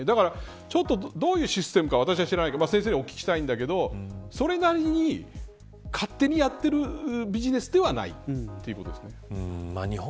だから、どういうシステムか私は知らないけど先生にお聞きしたいんだけどそれなりに勝手にやってるビジネスではないということですね。